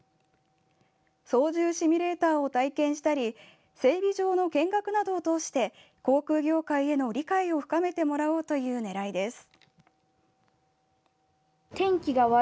操縦シミュレーターを体験したり整備場の見学などを通して航空業界への理解を深めてもらおうという狙いです。